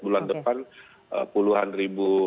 bulan depan puluhan ribu